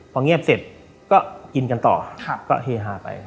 พอเงียบเสร็จก็กินกันต่อก็เฮฮาไป